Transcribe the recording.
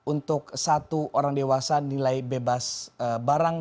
untuk satu orang dewasa nilai bebas barang